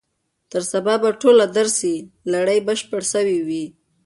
تر سبا به ټوله درسي لړۍ بشپړه سوې وي.